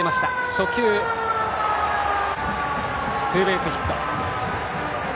初球、ツーベースヒット。